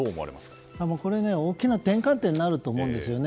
大きな転換点になると思うんですよね。